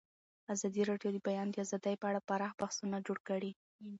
ازادي راډیو د د بیان آزادي په اړه پراخ بحثونه جوړ کړي.